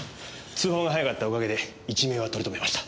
通報が早かったおかげで一命は取り留めました。